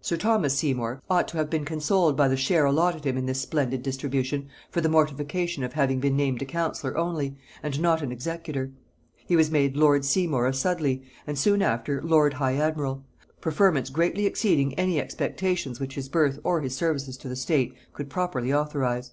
Sir Thomas Seymour ought to have been consoled by the share allotted him in this splendid distribution, for the mortification of having been named a counsellor only, and not an executor. He was made lord Seymour of Sudley, and soon after, lord high admiral preferments greatly exceeding any expectations which his birth or his services to the state could properly authorize.